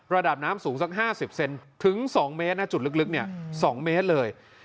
ระดับน้ำสูงสักห้าสิบเซนต์ถึงสองเมตรนะจุดลึกเนี่ยสองเมตรเลย